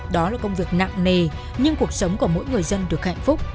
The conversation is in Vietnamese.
đó là công việc nặng nề nhưng cuộc sống của mỗi người dân được hạnh phúc